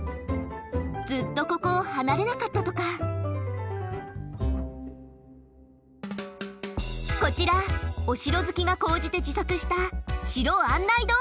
ずっとここを離れなかったとかこちらお城好きが高じて自作した城案内動画。